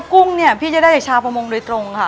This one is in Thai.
กุ้งเนี่ยพี่จะได้จากชาวประมงโดยตรงค่ะ